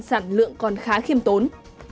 sản lượng còn khá khiêm tốn